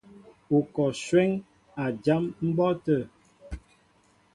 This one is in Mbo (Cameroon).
Ú kɔ shwéŋ a jám mbɔ́ɔ́tə̂.